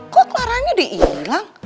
kok claranya dihilang